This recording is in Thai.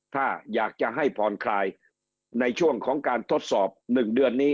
ถ้าอยากจะให้ผ่อนคลายในช่วงของการทดสอบ๑เดือนนี้